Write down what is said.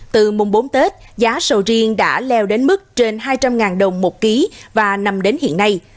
từ mùng bốn tết giá sầu riêng đã leo đến mức trên hai trăm linh đồng một ký và nằm đến hiện nay